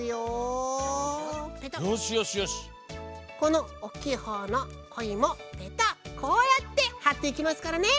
このおおきいほうのコイもペタッこうやってはっていきますからね。